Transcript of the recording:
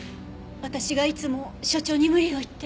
私がいつも所長に無理を言って。